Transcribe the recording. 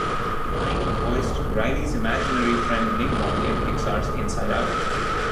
Kind voiced Riley's imaginary friend Bing Bong in Pixar's "Inside Out".